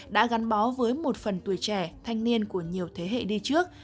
đã gắn bó với một phần tuổi trẻ thanh niên của nhiều thế hệ đi trước